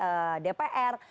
kemudian dari dpr